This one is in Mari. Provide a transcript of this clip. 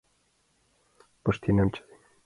— Пыштенам чай...